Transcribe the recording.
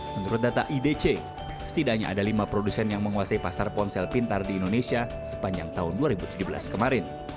menurut data idc setidaknya ada lima produsen yang menguasai pasar ponsel pintar di indonesia sepanjang tahun dua ribu tujuh belas kemarin